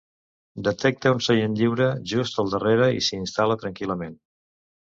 Detecta un seient lliure just al seu darrere i s'hi instal·la tranquil·lament.